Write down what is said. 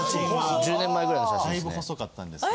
・１０年前ぐらいの写真ですね。